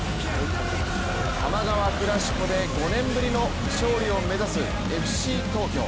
多摩川クラシコで５年ぶりの勝利を目指すＦＣ東京。